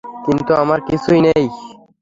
কিন্তু আমার কিছুই নেই।